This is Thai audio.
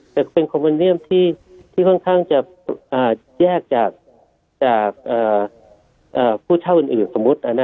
แต่เป็นคอมโมเนียมที่ค่อนข้างจะแยกจากผู้เท่าอื่นสมมุติ